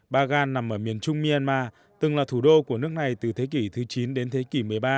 bagan nằm ở miền trung myanmar từng là thủ đô của nước này từ thế kỷ thứ chín đến thế kỷ một mươi ba